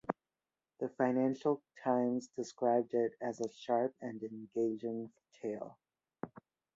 The "Financial Times" described it as "a sharp and engaging tale".